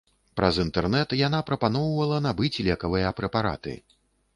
Праз інтэрнэт яна прапаноўвала набыць лекавыя прэпараты.